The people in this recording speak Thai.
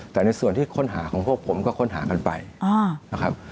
แต่ในส่วนที่ค้นหาของพวกผมก็ค้นหากันไปนะครับ